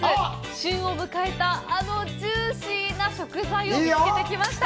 旬を迎えたあのジューシーな食材を見つけてきました。